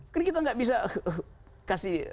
jadi kita gak bisa